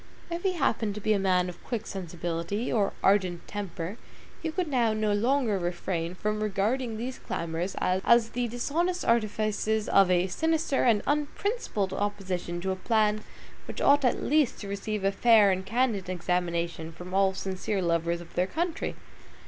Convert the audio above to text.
If he happened to be a man of quick sensibility, or ardent temper, he could now no longer refrain from regarding these clamors as the dishonest artifices of a sinister and unprincipled opposition to a plan which ought at least to receive a fair and candid examination from all sincere lovers of their country!